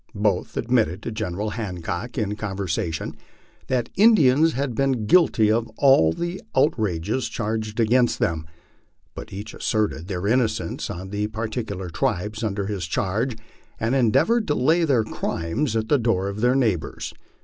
Both admitted to General Hancock in conversation that Indians had been guilty of all the outrages charged against them, but each asserted the innocence of the particular tribes under his charge, and endeavored to lay their crimes at the door of their neighbors.